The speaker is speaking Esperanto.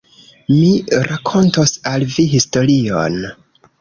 Mi rakontos al vi historion.